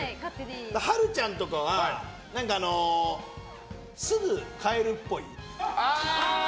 波瑠ちゃんとかはすぐ帰るっぽい。